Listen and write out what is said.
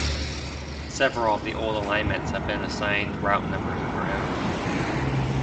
Several of the old alignments have been assigned route numbers of their own.